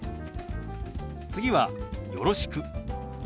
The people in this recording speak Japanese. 次は「よろしく」。